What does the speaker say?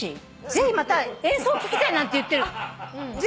「ぜひまた演奏聴きたい」なんて言ってる。